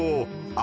あ！